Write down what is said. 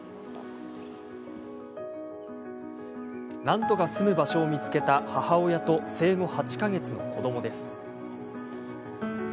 なんとか住む場所を見つけた母親と生後８か月の子どもです。